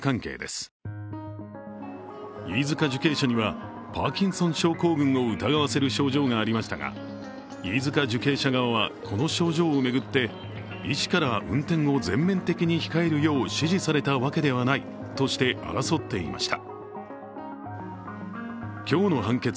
受刑者にはパーキンソン症候群を疑わせる症状がありましたが飯塚受刑者側は、この症状を巡って医師から運転を全面的に控えるよう指示されたわけではないとして争っていました。